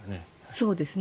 そうですね。